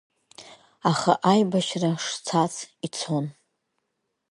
Аха аибашьра шцац ицон.